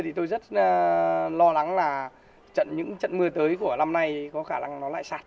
thì tôi rất lo lắng là những trận mưa tới của năm nay có khả năng nó lại sạt